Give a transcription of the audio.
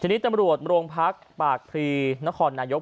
ทีนี้ตำรวจโรงพักปากพรีนครนายก